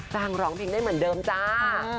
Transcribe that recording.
ร้องเพลงได้เหมือนเดิมจ้า